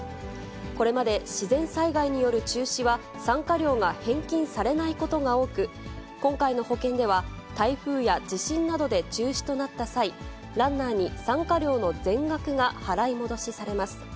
これまで自然災害による中止は、参加料が返金されないことが多く、今回の保険では、台風や地震などで中止となった際、ランナーに参加料の全額が払い戻しされます。